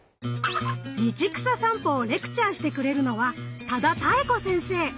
道草さんぽをレクチャーしてくれるのは多田多恵子先生。